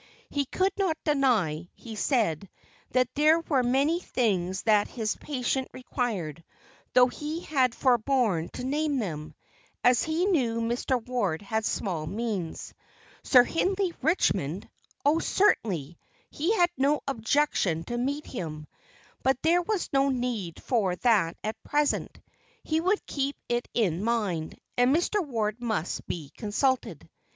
He could not deny, he said, that there were many things that his patient required, though he had forborne to name them, as he knew Mr. Ward had small means. Sir Hindley Richmond! Oh, certainly, he had no objection to meet him; but there was no need for that at present. He would keep it in mind; and Mr. Ward must be consulted.